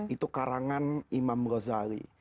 itu karangan imam ghazali